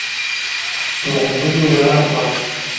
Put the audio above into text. تر غونډيو ور هاخوا!